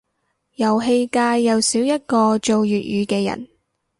遊戲界又少一個做粵語嘅人